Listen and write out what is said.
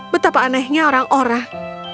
betapa anehnya orang orang